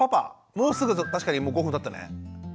もうすぐ確かに５分たったね。